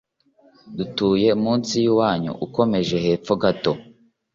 dutuye munsi yiwanyu ukomeje hepfo gato